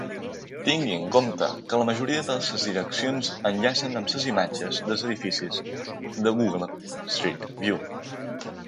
Tingui en compte que la majoria de les direccions enllacen amb les imatges dels edificis de Google Street View.